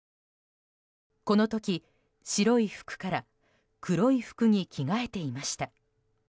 この時、白い服から黒い服に着替えていました。